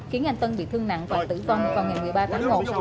khiến anh tân bị thương nặng và tử vong vào ngày một mươi ba tháng một